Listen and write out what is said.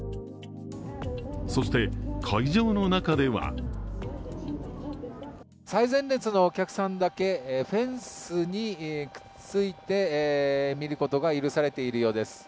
そして会場の中では最前列のお客さんだけ、フェンスにくっついて見ることが許されているようです。